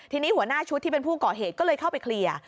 ทีนี้หัวหน้าชุดที่เป็นผู้ก่อเหตุก็เลยเข้าไปเคลียร์